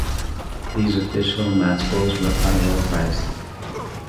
These official match balls are well prized.